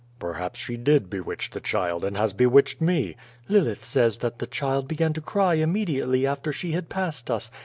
Terhaps she did bewitch the child and has bewitched me." Xilith says that the child began to cry immediately after she had passed us.